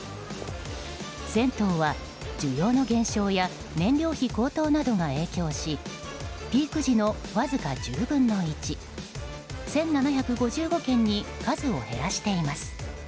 銭湯は需要の減少や燃料費高騰などが影響しピーク時のわずか１０分の１１７５５軒に数を減らしています。